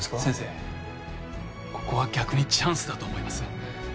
先生ここは逆にチャンスだと思います。